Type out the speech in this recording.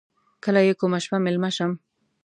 کله یې کومه شپه میلمه شم.